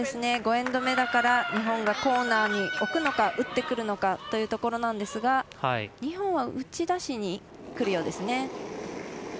５エンド目だから日本がコーナーに置くのか打ってくるのかというところなんですが日本は打ち出しにくるようですね。